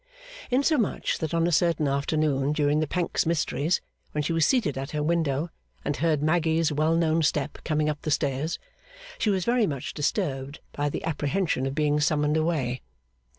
Insomuch, that on a certain afternoon during the Pancks mysteries, when she was seated at her window, and heard Maggy's well known step coming up the stairs, she was very much disturbed by the apprehension of being summoned away.